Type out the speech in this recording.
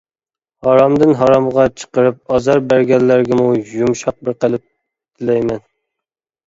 ھارامدىن ھارامغا چىقىرىپ ئازار بەرگەنلەرگىمۇ يۇمشاق بىر قەلب تىلەيمەن.